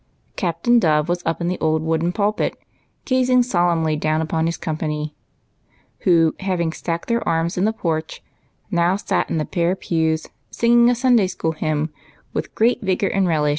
Captain Dove was up in the old wooden pulpit, gazing solemnly down upon his company, who, hav ing stacked theiv arms in the porch, now sat in the bare pews singing a Sunday school hymn with great vigor and relish.